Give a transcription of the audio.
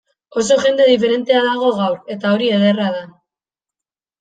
Oso jende diferentea dago gaur, eta hori ederra da.